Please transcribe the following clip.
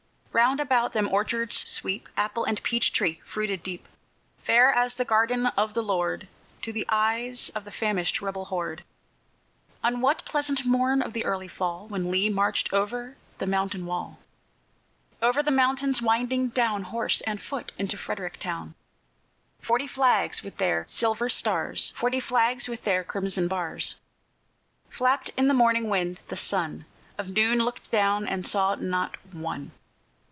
Round about them orchards sweep, Apple and peach tree fruited deep, Fair as the garden of the Lord To the eyes of the famished rebel horde, On that pleasant morn of the early fall When Lee marched over the mountain wall; Over the mountains winding down, Horse and foot, into Frederick town. Forty flags with their silver stars, Forty flags with their crimson bars, Flapped in the morning wind: the sun Of noon looked down, and saw not one.